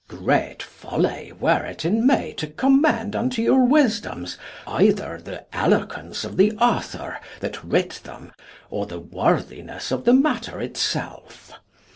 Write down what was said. Great folly were it in me to commend unto your wisdoms either the eloquence of the author that writ them or the worthiness of the matter itself.